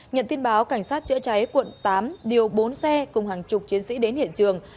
nhận tin báo cảnh sát chữa cháy quận tám điều bốn xe cùng hàng chục chiến sĩ đến hiện trường